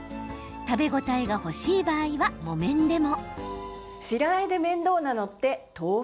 食べ応えが欲しい場合は木綿でも。